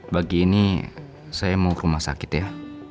pagi ini saya mau ke rumah sakit ya